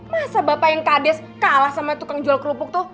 masa bapak yang kades kalah sama tukang jual kerupuk tuh